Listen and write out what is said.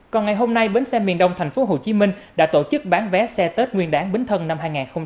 còn ngày hôm nay bến xe miền đông tp hcm đã tổ chức bán vé xe tết nguyên đảng bến thân năm hai nghìn một mươi sáu